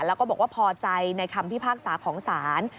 แล้วก็บอกว่าพอใจในคำพิพากษาของศาล